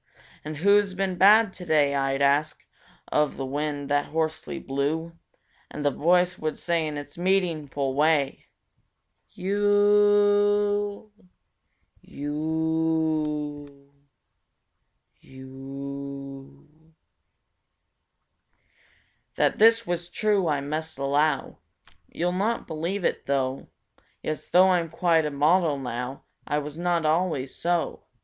And "Who's been bad to day?" I'd ask Of the wind that hoarsely blew, And the voice would say in its meaningful way: "Yoooooooo! Yoooooooo! Yoooooooo!" That this was true I must allow— You'll not believe it, though! Yes, though I'm quite a model now, I was not always so.